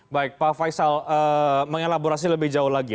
baik pak faisal mengelaborasi lebih jauh lagi